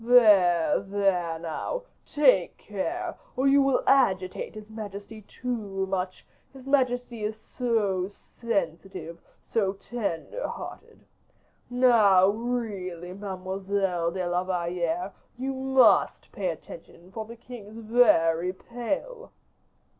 There, there now! take care, or you will agitate his majesty too much; his majesty is so sensitive, so tender hearted. Now, really, Mademoiselle de la Valliere, you must pay attention, for the king is very pale."